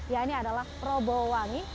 yang ini adalah probowangi